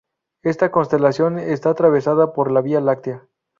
Esta constelación está atravesada por la Vía Láctea.